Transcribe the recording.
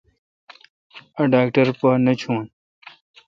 اے°ڈاکٹر پہ نہ چھون۔